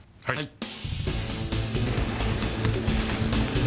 はい。